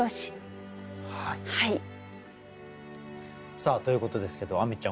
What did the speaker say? さあということですけど亜美ちゃん